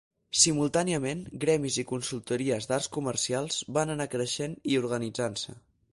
Simultàniament, gremis i consultories d'arts comercials van anar creixent i organitzant-se.